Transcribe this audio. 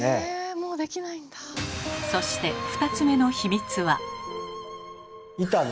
そして２つ目の秘密は。